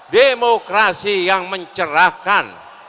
demokrasi yang mencerahkan